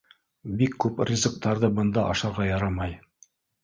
Бик күп ризыҡтарҙы бында ашарға ярамай.